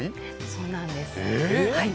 そうなんです。